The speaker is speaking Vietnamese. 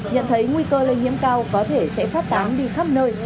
nhận thấy nguy cơ lây nhiễm cao có thể sẽ phát tán đi khắp nơi